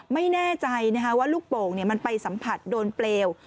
ไม่แน่ใจว่าลูกโป่งมันไปสัมผัสโดนเปลว